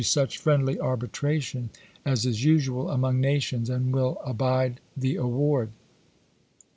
such friendly arbitration as is usual among nations, and will abide the award.